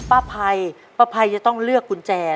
ภัยป้าภัยจะต้องเลือกกุญแจ